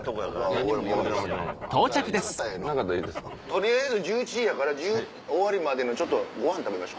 取りあえず１１時やから終わりまでご飯食べましょか。